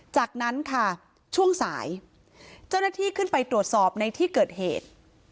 จากนั้นค่ะช่วงสายเจ้าหน้าที่ขึ้นไปตรวจสอบในที่เกิดเหตุ